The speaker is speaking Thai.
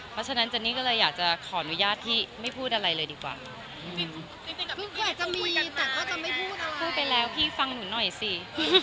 เพราะฉะนั้นเจนนี่ก็เลยอยากจะขออนุญาตที่ไม่พูดอะไรเลยดีกว่าพูดไปแล้วพี่ฟังหนูหน่อยสิ